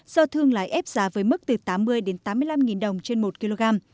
do thương lái ép giá với mức từ tám mươi tám mươi năm đồng trên một kg